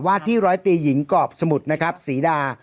ที่ร้อยตีหญิงกรอบสมุทรนะครับศรีดา